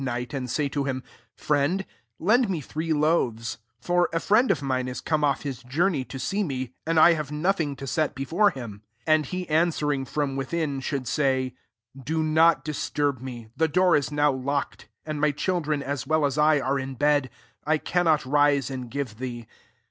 night, and say to him» ' FrieiM^^ lend me three loaves ; 6 for ^ friend [of minej is come ofif^hiit. journey to tee me, and I haxAi^ nothing to set before him :^ 7« and he answering from wii ' should say, ' Do not dis me : the door is now iofk and my children, as well aa^ are in bed; I cannot rise _ give thee.